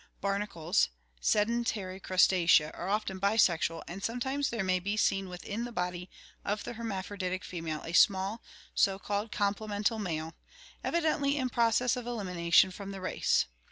Barnacles, sedentary Crus tacea, are often bisexual, and sometimes there may be seen within the body of the hermaphroditic female a small, so called comple mental male, evidently in process of elimination from the race.